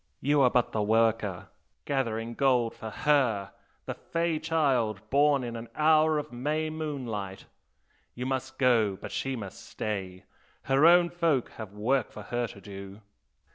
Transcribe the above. You are but the worker, gathering gold for HER the "fey" child born in an hour of May moonlight! You must go, but she must stay, her own folk have work for her to do!'